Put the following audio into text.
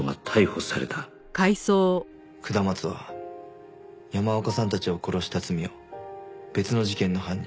下松は山岡さんたちを殺した罪を別の事件の犯人